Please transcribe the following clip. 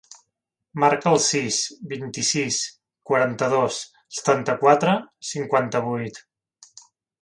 Marca el sis, vint-i-sis, quaranta-dos, setanta-quatre, cinquanta-vuit.